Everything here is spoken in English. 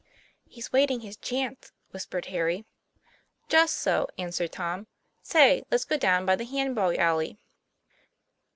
'He's waiting his chance," whispered Harry. 'Just so," answered Tom. "Say, let's go down by the hand ball alley."